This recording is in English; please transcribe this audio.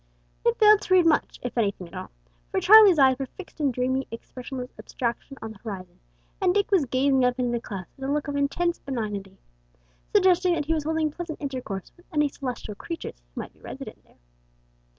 They failed to read much, if anything at all, for Charlie's eyes were fixed in dreamy expressionless abstraction on the horizon, and Dick was gazing up into the clouds, with a look of intense benignity suggesting that he was holding pleasant intercourse with any celestial creatures who might be resident there.